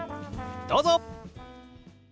どうぞ！